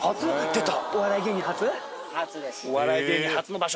出た。